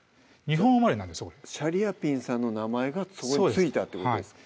日本生まれなんですシャリアピンさんの名前がそこに付いたってことですか